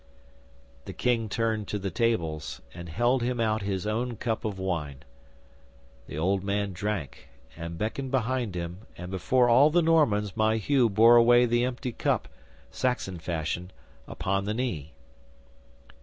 'The King turned to the tables, and held him out his own cup of wine. The old man drank, and beckoned behind him, and, before all the Normans, my Hugh bore away the empty cup, Saxon fashion, upon the knee.